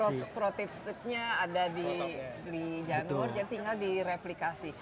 jadi prototipnya ada di janur yang tinggal direplikasi